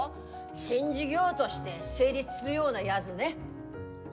新事業どして成立するようなやづね。